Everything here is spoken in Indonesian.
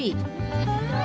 namanya adalah kukis